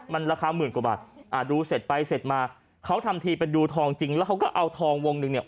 มันราคาหมื่นกว่าบาทอ่าดูเสร็จไปเสร็จมาเขาทำทีเป็นดูทองจริงแล้วเขาก็เอาทองวงหนึ่งเนี่ย